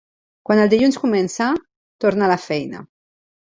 Quan el dilluns comença, torna a la feina.